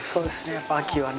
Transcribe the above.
やっぱ秋はね。